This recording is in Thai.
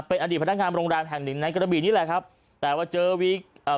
เป็นอดีตพนักงานโรงแรมแห่งหนึ่งในกระบีนี่แหละครับแต่ว่าเจอวีกเอ่อ